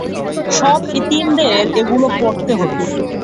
সব এতিমদের এগুলো পরতে হতো।